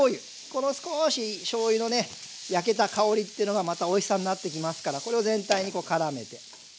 この少ししょうゆのね焼けた香りっていうのがまたおいしさになっていきますからこれを全体にからめて。